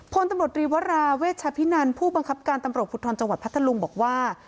พลตำรวจรีวราเวชพินันผู้บังคับการตำรวจภูทรจังหวัดพัทธลุงบอกว่า